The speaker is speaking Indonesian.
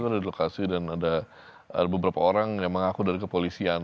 ada di lokasi dan ada beberapa orang yang mengaku dari kepolisian